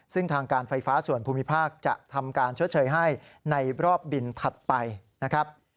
ซึ่งทางการไฟฟ้าส่วนภูมิภาคจะทำการชดเชยให้ในรอบบินถัดไปนะครับ